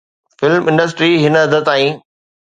film industry هن حد تائين